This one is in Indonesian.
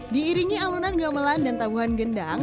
diiringi alunan gamelan dan tabuhan gendang